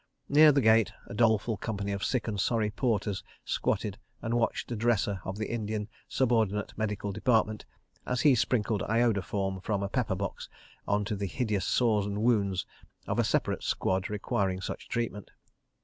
Near the gate a doleful company of sick and sorry porters squatted and watched a dresser of the Indian Subordinate Medical Department, as he sprinkled iodoform from a pepperbox on to the hideous sores and wounds of a separate squad requiring such treatment.